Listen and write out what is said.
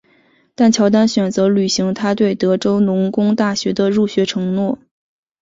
但乔丹选择履行他对德州农工大学的入学承诺。